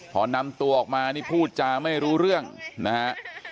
พอนำตัวออกมานี่พูดจาไม่รู้เรื่องนะฮะ